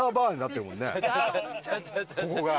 ここが。